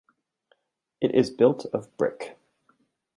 It is built of brick.